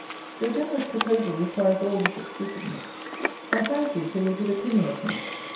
Your generous proposal requires all this explicitness. I thank you for your good opinion of me.